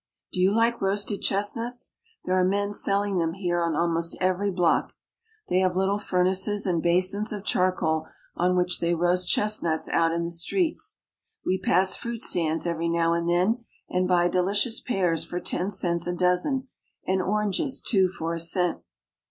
Do you like roasted chestnuts ? There are men selling them here on almost every block. They have little fur naces and basins of charcoal, on which they roast chest nuts out in the streets. We pass fruit stands every now and then, and buy delicious pears for ten cents a dozen, and oranges two for a cent.